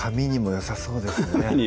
よさそうですね